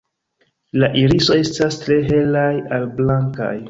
La iriso estas tre helaj al blankaj.